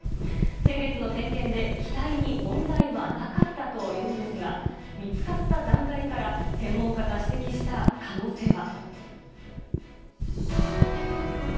先月の点検で、機体に問題はなかったというんですが見つかった残骸から専門家が指摘した可能性は。